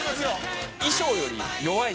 衣装より弱い。